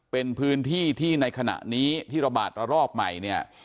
เป็นพื้นที่ที่ในขณะนี้ที่ระบาดระลอกใหม่เนี่ย